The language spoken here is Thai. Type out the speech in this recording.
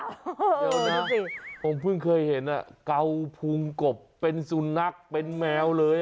เดี๋ยวนะผมเพิ่งเคยเห็นเกาพุงกบเป็นสุนัขเป็นแมวเลย